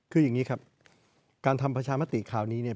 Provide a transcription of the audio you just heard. คืออย่างนี้ครับการทำประชามติคราวนี้เนี่ย